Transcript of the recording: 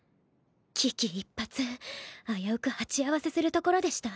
危機一髪危うく鉢合わせするところでした